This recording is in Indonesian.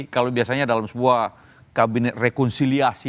kalau biasanya dalam sebuah kabinet rekonsiliasi